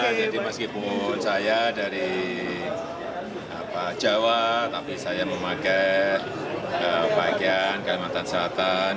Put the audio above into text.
jadi meskipun saya dari jawa tapi saya memakai bagian kalimantan selatan